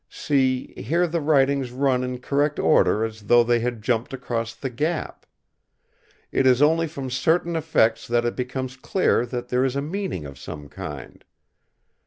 See, here the writings run in correct order as though they had jumped across the gap. It is only from certain effects that it becomes clear that there is a meaning of some kind.